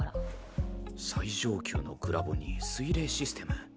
最上級のグラボに水冷システム。